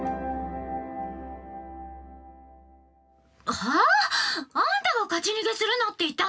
「ハァ？あんたが勝ち逃げするなって言ったんでしょ！？」。